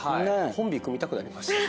コンビ組みたくなりましたね。